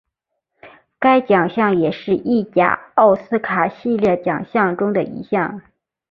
该奖项也是意甲奥斯卡系列奖项中的一项。